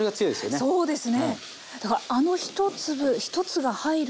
そうですね。